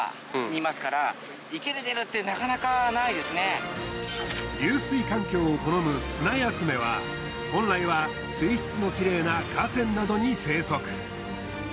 基本的に流水環境を好むスナヤツメは本来は水質のキレイな河川などに生息。